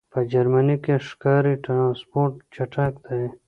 په جرمنی کی ښکاری ټرانسپورټ چټک دی